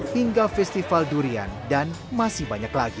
hingga festival durian dan masih banyak lagi